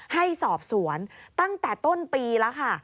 ให้สอบสวนตั้งแต่ต้นปีแล้วค่ะ